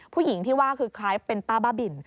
ผู้หญิงที่ว่าคือคล้ายเป็นป้าบ้าบิน